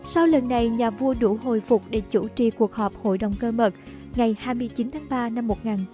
sau lần này nhà vua đủ hồi phục để chủ trì cuộc họp hội đồng cơ mật ngày hai mươi chín tháng ba năm một nghìn chín trăm năm mươi